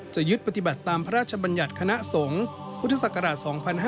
จะยึดปฏิบัติตามพระราชบัญญัติคณะสงฆ์พุทธศักราช๒๕๕๙